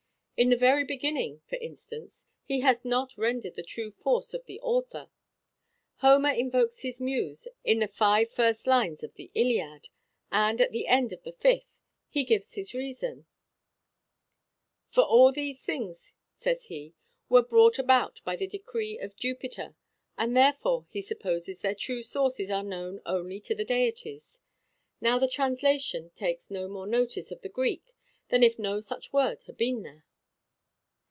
In the very beginning, for instance, he hath not rendered the true force of the author. Homer invokes his muse in the five first lines of the Iliad; and, at the end of the fifth, he gives his reason: [Greek] For all these things," says he, "were brought about by the decree of Jupiter; and, therefore, he supposes their true sources are known only to the deities. Now, the translation takes no more notice of the [Greek] than if no such word had been there."